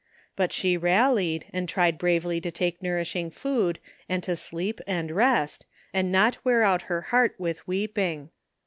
But she rallied, and tried bravely to take nourishing food, and to sleep and rest, and not wear out her heart with weeping.